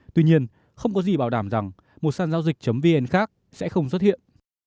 tuy nhiên không có gì bảo đảm rằng một sàn giao dịch vn khác sẽ không xuất hiện